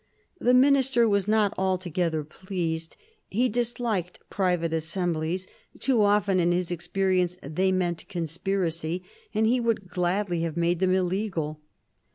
The Minister was not altogether pleased. He disliked private assemblies; too often, in his expe rience, they meant conspiracy, and he would gladly have made them illegal.